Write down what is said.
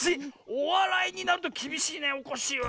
おわらいになるときびしいねおこっしぃは。